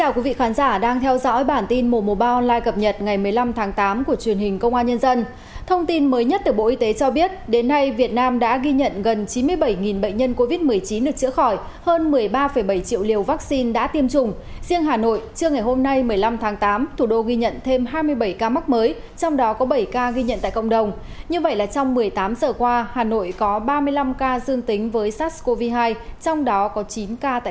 cảm ơn các bạn đã theo dõi